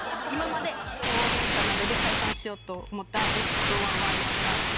今まで大ゲンカなどで解散しようと思ったベストワンはありますか？